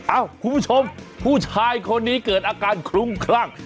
คุณผู้ชมผู้ชายคนนี้เกิดอาการคลุ้มคลั่ง